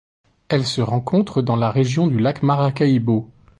Elle se rencontre dans la région du lac Maracaibo.